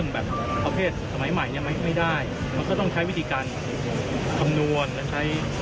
แบบประเภทสมัยใหม่ยังไม่ได้มันก็ต้องใช้วิธีการคำนวณและใช้